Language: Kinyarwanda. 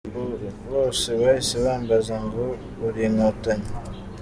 Ubwo bose bahise bambaza ngo uri inkotanyi?